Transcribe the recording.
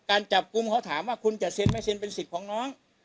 การจับกลุ่มเขาถามว่าคุณจะเซ็นไม่เซ็นเป็นสิทธิ์ของน้อง